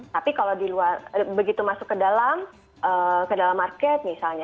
tapi kalau di luar begitu masuk ke dalam ke dalam market misalnya